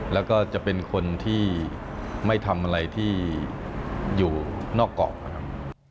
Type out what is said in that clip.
แล้วก็จะเป็นคนที่ไม่ทำอะไรที่อยู่นอกเกาะนะครับ